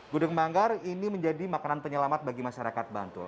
gudeg manggar ini menjadi makanan penyelamat bagi masyarakat bantul